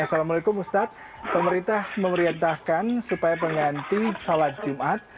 assalamualaikum ustadz pemerintah memerintahkan supaya pengganti salat jumat